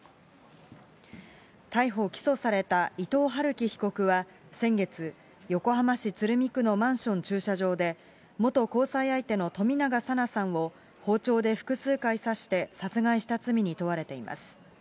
逮捕・起訴された伊藤はるき被告は先月、横浜市鶴見区のマンション駐車場で、元交際相手の冨永紗菜さんを包丁で複数回刺して殺害した罪に問われています。